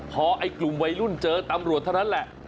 พอไอ้กลุ่มวัยรุ่นเจอตำรวจเท่านั้นแหละ